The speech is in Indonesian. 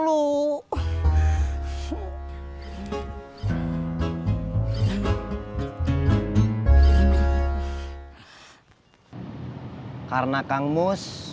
aritu ntar daripada mati nih padudie